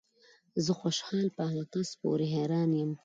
زه خوشحال په هغه کس پورې حیران یم